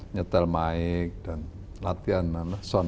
nyetel mic dan latihan sona